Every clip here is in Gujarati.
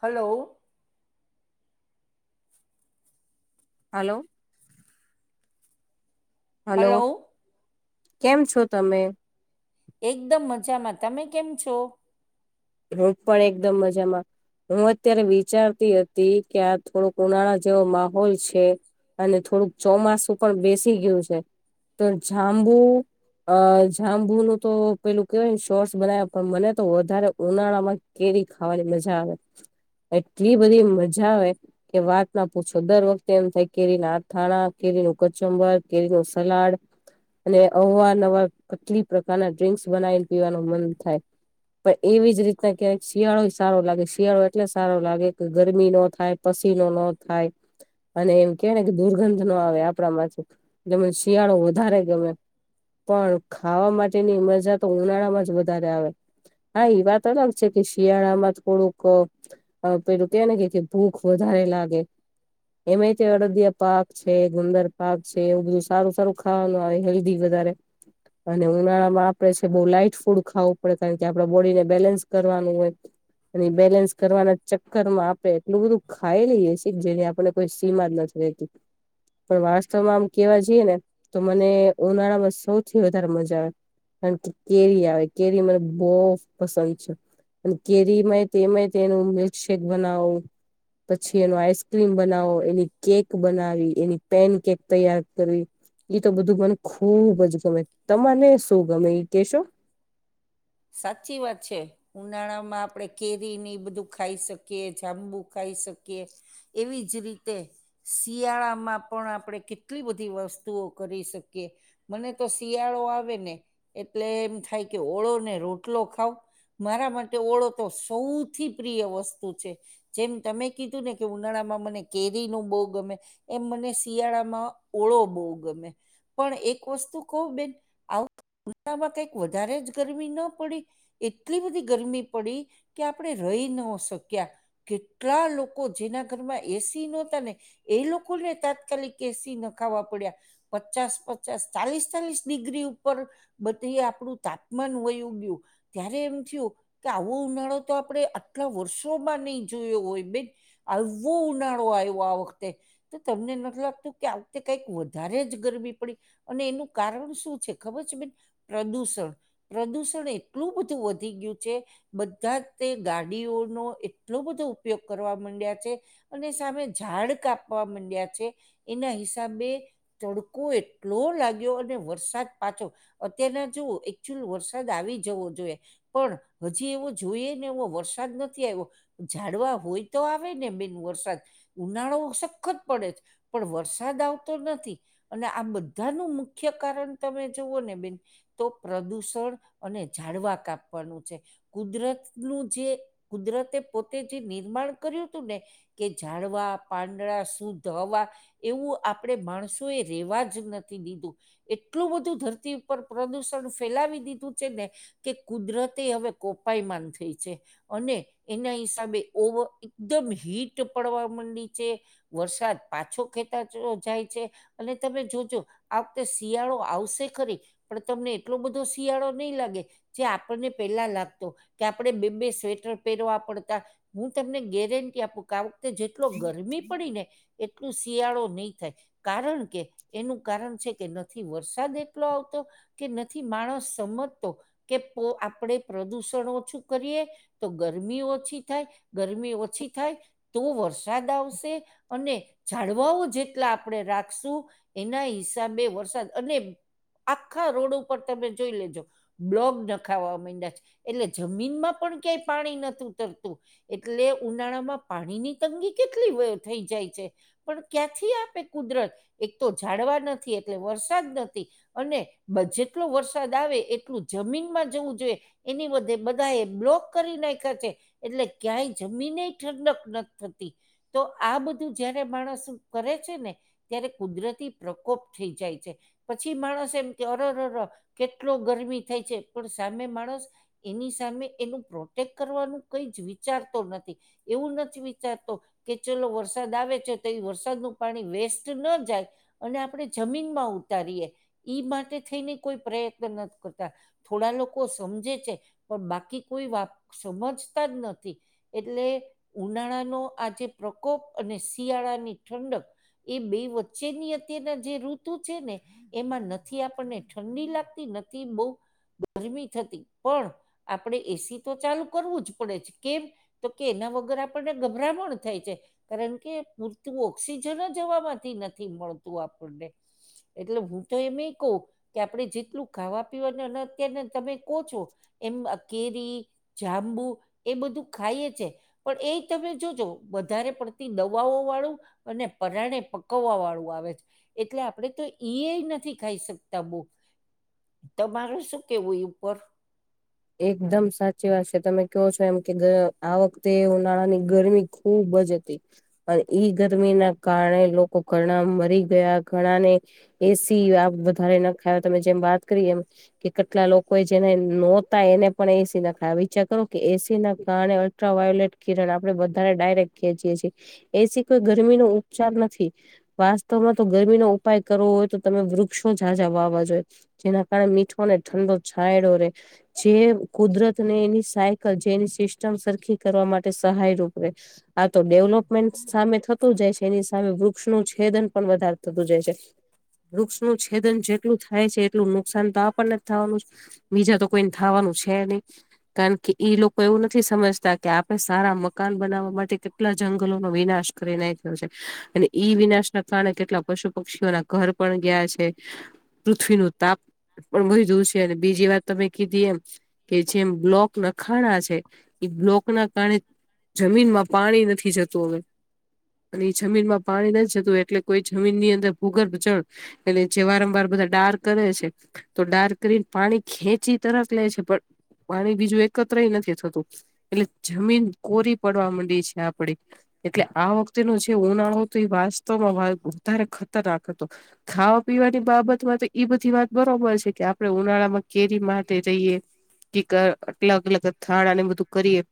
હલો હલો હલો કેમ છો તમે એકદમ મજામાં તમે કેમ છો ર પણ એકદમ મજામાં હું અત્યારે વિચારતી હતી કે આ થોડોક ઉનાળા જેવો માહોલ છે અને થોડુંક ચોમાસું પણ બેસી ગયું છે તો જાંબુ અ જાંબુ નું તો પેલું કેવાય ને શોર્ટસ બનાવ્યા પણ મને તો વધારે ઉનાળામાં કેરી ખાવાની મજા આવે એટલી બધી મજા આવે કે વાત ના પૂછો દર વખતે એમ થાય કેરી ના અથાણા કેરીનું કચંબર કેરી નું સલાડ અને અવા નવા કેટલી પ્રકારના ડ્ર્રીિંક્સ બનાવીને પીવાનું મન થાય પણ એવી જ રીતના ક શિયાળો સારો લાગે શિયાળો એટલે સારો લાગે કે ગરમી ન થાય પસીનો ન થાય અને એમ કે ને કે દુર્ગંધ નો આવે આપણા માંથીુંમ શિયાળો વધારે ગમે પણ ખાવા માટેની મજા તો ઉનાળામાં જ વધારે આવે હા એ વાત અલગ છે કે શિયાળા માં થોડુંક પેલું કે ને કે કે ભૂખ વધારે લાગે એમાં અડદિયા પાક છે ગુંદર પાક છે એવું બધું સારું સારું ખાવાનું આવે હેલ્ધ વધ અને ઉનાળામાં આપડે બ લાઈટ ફૂડ ખાવું પડે કારણ કે આપ બોડીને બેલેન્સ કરવાનું હોય અને બેલેન્સ કરવાના ચક્કર માં આપણે એટલું બધું ખાઈ લઈએી કે જેની આપને કોઈ સીમા જ નથી ર પણ વાસ્તવમાં આમ કેવા જઈએ ને તો મને ઉનાળા માં સૌથી વધારે મજા આવે કારણ કે કેરી આવે કેરી મબ બહ પસંદ છે અને કેરી ય તેય તેનું મિલ્કશેેક બનાવવું. પછી એનો આઈસક્રીમ બનાવો એની કેક બનાવી એની પેન કેક તૈયાર કરવી. તો બધું મને ખુબ જ ગમે. તને શું ગમે કેશો? સાચી વાત છે. ઉનાળા માં આપણે કેરી ની બધું ખાઈ શકીએ, જાંબુ ખાઈ શકીએ. એવી જ રીતે શિયાળામાં પણ આપણેે કેટલી બધી વસ્તુઓ કરી શકીએ. મને તો શિયાળો આવે ને એટલે એમ થાય કે ઓળો ને રોટલો ખાવ મારા માટે ઓળો તો સૌથી પ્રિય વસ્તુ છે. જેમ તમે કીધું ને કે ઉનાળામાં મને કેરી ન બો ગમે. એમ મને શિયાળામાં ઓળો બહુ ગમે. પણ એક વસ્તુ કહવ બેન આવ ઉમાં કંઈક વધારે જ ગરમી ન પ એટલી બધી ગરમી પડી કે આપણે રહી ન શક્યા. કેટલા લોકો જેના ઘરમાં એસી નતા ને. એ લોકોને તાત્કાલિક એસી ન ખાવા પડ્યા. પચાસ પચાસ ચાલીસ ચાલીસ ડિગ્રી ઉપર બધી આપણું તાપમાન વયું ત્યારે એમ થયું. કે આવો ઉનાળો તો આપડણે આટલા વર્ષોમાં નહી જોયો હોય બેન આવું ઉનાળો આવ્યો આ વખતે. તો તમને નથી લાગતું કે આવતે કઈક વધારે જ ગરમી પડી. અને એનું કારણ શું છે ખબર છે બેન પ્રદૂષણ પ્રદૂષણ. એટલું બધું વધી ગયું છે. બધા તે ગાડીઓનો એટલો બધો ઉપયોગ કરવા માંડ્યા છે. અને સામે ઝાડ કાપવા માંડ્યા છે, એના હિસાબે. ચડકો એટલો લાગ્યો અને વરસાદ પાછો, અત્યારના જો એકચુઅલ વરસાદ. વરસાદ આવી જવો જોઈએ પણ હજી એવો જોઈએ ને એવો વરસાદ નથી આવ્યો. ઝાડવા હોય તો આવે ને બેન વરસાદ ઉનાળો સખત પડે છે. પણ વરસાદ આવતો નથી. અને આ બધાનું મુખ્ય કારણ તમે જુવઓ ને બેન તો પ્રદુષણ. અને ઝડવા કાપવાનું છે. કુદરતનું જે કુદરતે પોતે જે નિર્માણ કર્યું હતું ને કે જાઝડવા પાંદડા શુદ્ધ હવા એવું આપણે માણસો એ રહેેવા જ નથી દીધું. એટલું બધું ધરતી ઉપર પ્રદુષણ ફેલાવી દીધું. છે ને કે કુદરતી હવે કોપાઈમાન થઈ છે. અને એના હિસાબે ઓવ એકદમ હીટ પડવા માંડી છે. વરસાદ પાછો ખેતાચ જાય છે. અને તમે જોજો આ વખતે શિયાળો આવશે ખરી પણ તમને એટલો બધો શિયાળો. નહી લાગે જે આપણને પેલા લાગતો કે આપણે બે બે સ્વેટર પહેરવા પડતા. હું તમને ગેરટી આપું કે આ વખતે જેટલો ગરમી પડી ને એ એટલું શિયાળો નહીં થાય. કારણ કે એનું કારણ છે કે નથી વરસાદ એટલો આવતો. કે નથી માણસ સમજતો કે આપણેે પ્રદુષણ ઓછું કરીએ તો ગરમી ઓછી થાય ગરમી ઓછી થાય. તો વરસાદ આવશે અને જાળવાઓ જેટલા આપણે રાખશુ એના હિસાબે વરસાદ અને આખા રોડ ઉપર તમે જોઈ લેજો. બ્લોક નખાવા મડયા છે, એટલે જમીનમાં પણ ક્યાંય પાણી નથીતું તરતુ એટલે ઉનાળામાં પાણીની તંગી કેટલી થઈ જાય છે. પણ ક્યાંથી આપે કુદરત એક તો જાડવા નથી, એટલે વરસાદ નથી. અને જેટલો વરસાદ આવે એટલું જમીનમાં જવું જોઈએ એની બધે બધા એ બ્લોક કરી ના ખેચ એટલે ક્યાંય જમીન ઠંડક નથી, થતી. તો આ બધું જયારે માણસ કરે છેને. ત્યારે કુદરતી પ્રકોપ થઈ જાય છે. પછી માણસ એમ કે અરર કેટલો ગરમી થાય છે, પણ સામે માણસ એની સામે એનું પ્રોટેક્ટ કરવાનું કઈ જ વિચારતો નથી. એવુંન જ વિચારતો કે ચલો વરસાદ આવે છે, તો એ વરસાદનું પાણી વેસ્ટ ન જાય અને આપણે જમીન માં ઉતારીએ ઈ માટે થઈને કોઈ પ્રયત્ન નથી, કરતા થોડા લોકો સમજે છે, પણ બાકી કોઈ વા સમજતા જ નથી એટલે ઉનાળાનો આજે પ્રકોપ અને શિયાળાની ઠંડક એ બે વચ્ચે ની અત્યારના જે ઋતુ છેને. એમાં નથી આપણને ઠંડી લાગતી નથી બહુ ગરમી થતી પણ આપણે એસી તો ચાલુ કરવું જ પડે છે, કેમ તો કેના વગર આપણને ગભરામણ થાય છે. કારણ કે પૂરતું ઓક્સિજન જ હવાવામાંથી નથી મળતું આપણને એટલે હું તો એમ એ કહુ, કે આપડણે જેટલું ખાવા અને અત્ય તમે કહો છો. એમ કેરી જાંબુ એ બધું ખાઈ છે. પણ એ તમે જોજો વધારે પડતી દવાઓ વાળુ અને પરાણે પકવવા વાળું આવે છે. એટલે આપણેે તો ઈ નથી, ખાઈ શકતા બહુ તમારેું શું કેવુ, એ ઉપર એકદમ સાચી વાત છે, તમે કહો છો એમ કે આ વખતે ઉનાળા ની ગરમી ખૂબ જ હતી. પણ ઈ ગરમી ના કારણે લોકો ઘણા મરી ગયા ઘણા ને એસી વધારે ના ખાય તમે જેમ વાત કરી એમ કે કેટલા લોકો એ જેને, ન એને પણ એસી નાખાય વિચાર કરો કે એસી ના કારણે અલ્ટ્રાવાયોોલેટ કિરણ આપણે બધાને ડાયરેક્ટ એસી કોઈ ગરમી નો ઉપચાર નથી. વાસ્તવમાં તો ગરમીનો ઉપાય કરવો હોય તો તમે વૃક્ષો જાઝાઝા વાવા જોઈએ જેના કારણે મીઠો ને ઠંડો, છાયડો રે જે કુદરત ને એની સાયકલ જે એની સિસ્ટમ સરખી કરવા માટે સહાયરૂૂપ રે આ તો ડેવલોપમેન્ટ સામે થતું જાય છે એની સામે વૃક્ષનું છેદન પણ વધારે થતું જાય છે. વૃક્ષ નું છેદન જેટલું થાય છે એટલું નુકસાન તો આપણને જ થવાનું છે, બીજા તો કોઈને થાવાનું છે, નહી કારણ કે ઈ લોકો એવું નથી સમજતા કે આપડણે સારા મકાન બનાવવા માટે કે કેટલા જંગલોનોો વિનાશ કરી ના થયો છે, અને ઈ વિનાશ ના કારણે કેટલા પશુ પક્ષીઓના ઘર પણ ગયા છે, પૃથ્વીનુ તાપ પણ બય દું છે અને બીજી વાત તમે કીધી એમ કે જેમ બ્લોક નખાણા છે એ બ્લોક ના કારણે જમીનમાં પાણી નથી જતું હવે અને એ જમીન માં પાણી ન જતું એટલે કોઈ જમીન ની અંદર ભૂગર્ભ જળ એટ જે વારંવાર બધા ડાર્ક કરે છે, તો ડાર્ક કરીને પાણી ખેંચી તરત લે છે પણ પાણી બીજું એકત્ર નથી થતુ એટલે જમીન કોરી પડવા માંડી છે, આપડે એટલે આ વખતે ન જે ઉનાળો હતો, એ વાસ્તવમાં વધારે ખતરનાક હતો. ખાવા પીવાની બાબત તો ઈ બધી વાત બરોબર છે, કે આપડે ઉનાળામા કેરી માટે જઈએ, કે અટલગ અલગ થાણાને બધું કરીએ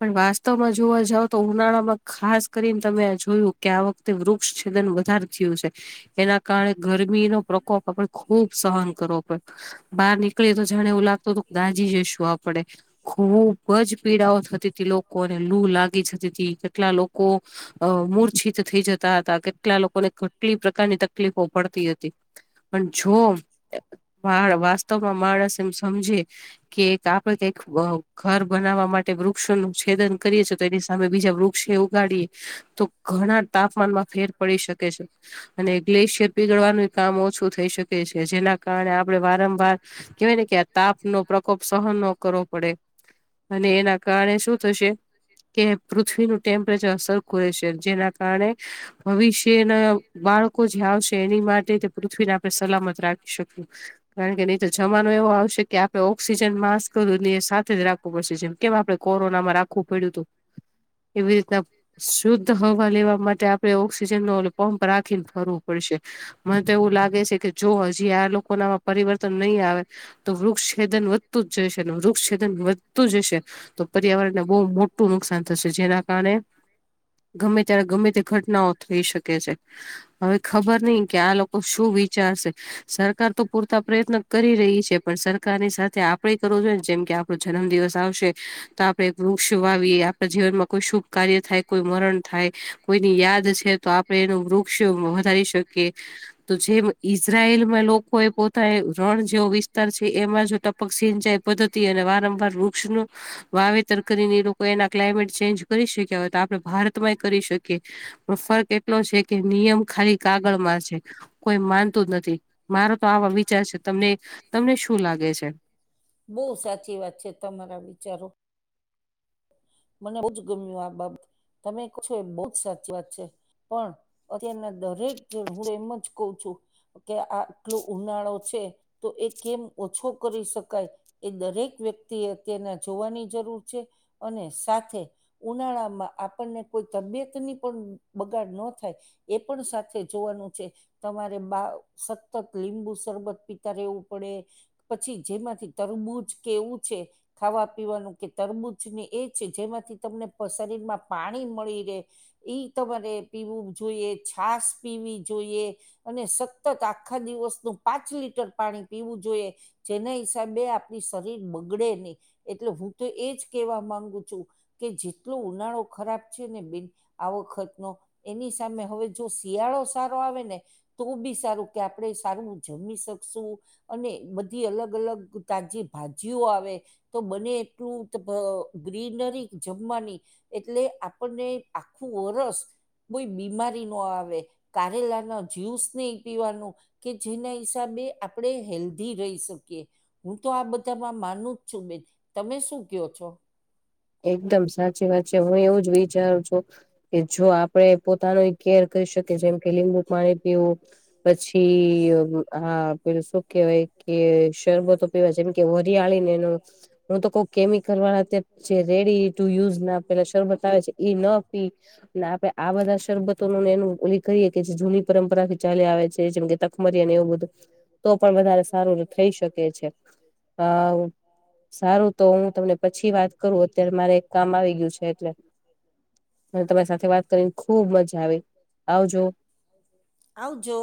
પણ વાસ્તવમાં જોવા જાવ, તો ઉનાળા માં ખાસ કરીને તમે જોયું કે આ વખતે તે વૃક્ષ છેદન વધારે થયું છે. એના કારણે ગરમી નો પ્રકોપ આપડે ખુબ સહન કરવો પડે બહાર નીકળી તો જાણે એવું લાગતતો તો દાજીી જઈશું, આપડે ખુબ જ પીડાઓ થતી ત લોકોને લૂ લાગી જતી તી કેટલા લોકો અ મૂર્છત થઈ જતા હતા, કે કેટલા લોકોને કેટલી પ્રકારની તકલીફો પડતી હતી પણ જો વા વાસ્તવમાં માણસ એમ સમજે કે એક આપડે કક ઘર બનાવા માટે વૃક્ષોનું છેદન કરીએેી તો એની સામે બીજા વૃક્ષ ઉગાડીએ તો ઘણા તાપમાનમાં ફેર પડી શકે અને ગ્લેશિયર પીગળવાનું કામ ઓછું થઈ શકે છે જેના આપડણે વારંવાર કેવાય ને કે આ તાપ નો પ્રકોપ સહ ન કરવો પડે અને એના કારણે શું થશે કે પૃથ્વીનું ટેમ્પરેચર સરખું રહેશે જેના કારણે ભવિષ્ય અને બાળકો જે આવશે એની માટે પૃથ્વીને આપણે સલામત રાખ કારણ કે નહી તો જમાનો એવો આવશે કે આપડે ઓક્સિજન માસ્ક એ સાથે જ રાખ છે કેમ આપડણે કોરોનામાં રાખવું પડ્યું હતું એવી રીતના શુદ્ધ હવા લેવા માટે આપણે ઓક્સિજન નો પંપ રાખીને ફરવો પડશે મને તો એવું લાગે છે કે જો હજી આ લોકો નામાં પરિવર્તન નહી, આવે તો વૃક્ષછદન વધતું જ જશે અને વૃક્ષછદન વધતું જશે તો પર્યાવરણને બહુ મોટું નુકસાન થશે, જેના કારણે ્યારે ગમે તે ઘટનાઓ થઈ શકે છે, હવે ખબર નઈ કે આ લોકો શું વિચારશે સરકાર તો પૂરતા પ્રયત્ન કરી રહી છે, પણ સરકારની સાથે આપણેે કરવું જોઈએ ને જેમ કે આપણો જન્મ દિવસ આવશે તો આપડણે વૃક્ષ વાવીએ આપણા જીવનમાં કોઈ શુભ કાર્ય થાય કોઈ મરણ થાય કોઈની યાદ છે, તો આપણે એનું વૃક્ષ વધારી શકીએ તો જેમ ઈઝરાયલ લોકો એ પોતા રણ જેવો વિસ્તાર છે, એમાં જો ટપક સિંચાઈ પ્ધ અને વારંવાર વૃક્ષનુ વાવેતર કરીને લોકો એના ક્લાયમેટ ચેન્જ કરી શક્યા હોય તો આપડે ભારતમાંય કરી શકીએ પણ ફર્ક એટલો છે કે નિયમ ખાલી કાગળમાં છે કોઈ માનતું જ નથી મારો તો આવા વિચાર છે તમને તમને શું લાગે છે બહુ સાચી વાત છે, તમારા વિચારો મને બહુ જ ગમ્યું આ બાબત તમે ક છો એ બહુ જ સાચી વાત છે. પણ અત્યારના દરેક જે હું એમ જ કઉ છુ. કે આ આટલો ઉનાળો છે, તો એ કેમ ઓછો કરી શકાય એ દરેક વ્યક્તિ અત્યના જોવાની જરૂર છે, અને સાથે ઉનાળામાં આપણને કોઈ, તબિયતની પણ બગાડ ન થાય એ પણ સાથે જોવાનું છે તમારે બા સતત લીંબુ શરબત પીતા રહેવું પડે પછી જેમાંથી તરબૂજ કેવું છે ખાવા પીવાનું કે તરબૂજને એ જેમાંથી તમને શરીરમાં પાણી મળી રહે એ તમારે પીવું જોઈએ છશ પીવી જોઈએ અને સતત આખા દિવસનું પાંચ લીટર પાણી પીવું જોઈએ જેના હિસાબે આપણી શરીર બગડે નહી એટલે હું તો એજ કેવા માંગુ કે જેટલો ઉનાળો ખરાબ છે ને આ વખતનો એની સામે હવે જો શિયાળો સારો આવે ને તો બી સારું કે આપણે સારું જમી શકશું અને બધી અલગ અલગ તાજી ભાજીઓ આવે તો બને એટલું ગ્રીનરી જમવાની એટલે આપણને આખું વરષ કોઈ બીમારી ન આવે કારેલા ના જ્યુસ નહી પીવાનું કે જેના હિસાબે આપણે હેલ્ધી રહી શકીએ હું તો આ બધામાં માનું જ છું બેન તમે શું કો છો એકદમ સાચી વાત એકદમ છે હું સાચી એવું જ વાત વિચારું છું કે છે. જો કે આપણે જો આપણે પોતાનું કેર ક પોતાનો શકીએ ઇતિહાસ જેમ કે જોઈ શકીએ લીંબુ જેમ કે પાણી લીંબુ પીવું પાણી પછી આ પેલ શું કહેવાય કે શરબતો પીવાય છે જેમ કે વરિયાળી ને એનું હું તો કઉ એ તો કેમિકલ કોઈ વાળા કેમિકલ અત્યારે જે વાળા તે રેડી જે ટુ યુઝ ના પેલા ના શરૂમત આવે કરે છે એ ન આપી શેરબકરી એ ના ને પીએ આપડે આ તો બધા શરબતો ન એનું એ કહીએ જૂની કે જે જૂની પરંપરા ચાલે આવે છે પરંપરાથી જેમ ચાલી કે આવે છે મરી જેમ કે એવું બધું કઠમરી અને એવું તો પણ વધારે બધું તો પણ સારું વધારે થઈ શકે સારું છે થઈ શકે આ અ સારું તો હું સારું તમને તો હું પછી વાત તમને કરું પછી વાત અત્યારે મારે કરું એક કામ અત્યારે મારે આવી એક ગયું છે કામ એટલે આવી ગયું છે એટલે મ તમારી સાથે વાત કરીને ખુબ મજા આવે આવજો આવજો